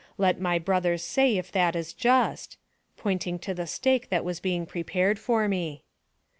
Let my brothers say if that is just/' pointing to the stake that was being prepared for me.